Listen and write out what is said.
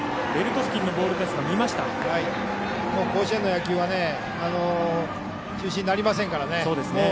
甲子園の野球は中止になりませんからね。